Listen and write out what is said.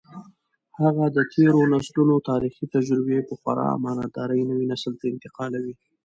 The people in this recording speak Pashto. هغه د تېرو نسلونو تاریخي تجربې په خورا امانتدارۍ نوي نسل ته انتقالوي.